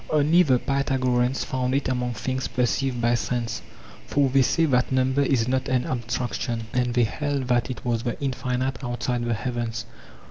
Only the Pythagoreans found it among things perceived by sense (for they say that number is not an abstraction), and they held that it was the infinite outside the heavens.